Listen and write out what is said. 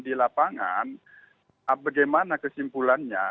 di lapangan bagaimana kesimpulannya